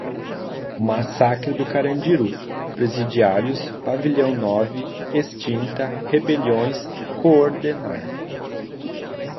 massacre do Carandiru, presidiários, pavilhão nove, extinta, rebeliões, coordenar